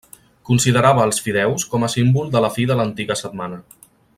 Considerava els fideus com a símbol de la fi de l'antiga setmana.